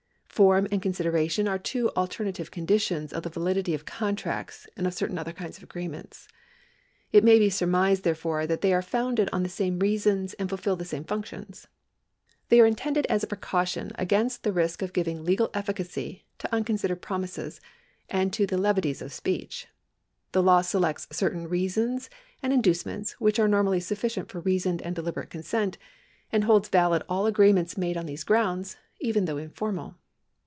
Form and consideration are two alternative conditions of the validity of contracts and of certain other kinds of agreements. It may be surmised, therefore, that they are founded on the same reasons and fulfil the same functions. They are intended as a precaution against the risk of giving legal efficacy to unconsidered promises and to the levities of speech. The law selects certain reasons and inducements, which are normally sufficient for reasoned and deliberate consent, and holds valid all agree ments made on these grounds, even though informal.